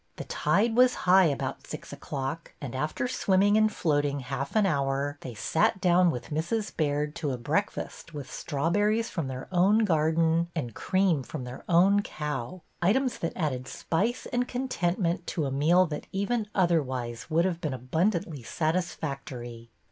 The tide was high about six o'clock, and after swimming and floating half an hour, they sat down with Mrs. Baird to a breakfast with strawberries from their own garden and cream from their own cow, items that added spice and contentment to a meal that even otherwise would have been abundantly satisfactory.